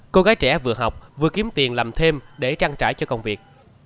cô gái trẻ vừa học vừa kiếm tiền làm thêm để trang trải cho công việc